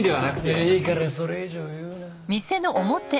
いやいいからそれ以上言うな。